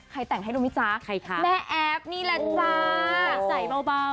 ใครแต่งให้ดูไหมจ๊ะใครคะแม่แอ๊บนี่แหละจ๊ะใสเบาเบา